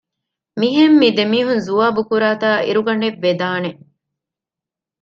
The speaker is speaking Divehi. މިހެން މި ދެމީހުން ޒުވާބުކުރާތާ އިރުގަނޑެއް ވެދާނެ